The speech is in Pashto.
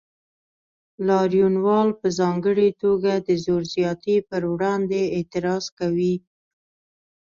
لاریونوال په ځانګړې توګه د زور زیاتي پر وړاندې اعتراض کوي.